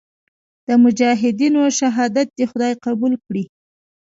د مجاهدینو شهادت دې خدای قبول کړي.